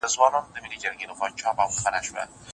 نه له کلا، نه له ګودر، نه له کېږدیه راځي